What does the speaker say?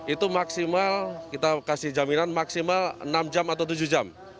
itu maksimal kita kasih jaminan maksimal enam jam atau tujuh jam